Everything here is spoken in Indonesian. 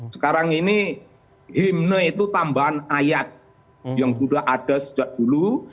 sekarang ini himne itu tambahan ayat yang sudah ada sejak dulu